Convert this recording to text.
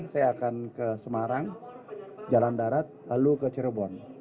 saya akan ke semarang jalan darat lalu ke cirebon